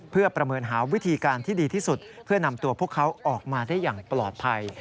เพื่อประเมินหาวิธีการที่ดีที่สุดเพื่อนำตัวพวกเขาออกมาได้อย่างปลอดภัย